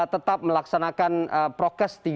tetap melaksanakan prokes